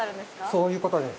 そういうことです。